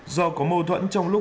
do có mâu thuẫn trong lúc